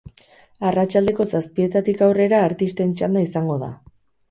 Arratsaldeko zazpietatik aurrera artisten txanda izango da.